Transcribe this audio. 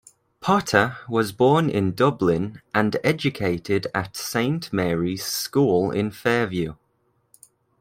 Potter was born in Dublin and educated at Saint Mary's school in Fairview.